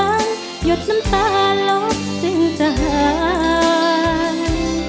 หยดน้ำตาลบจึงจะหาย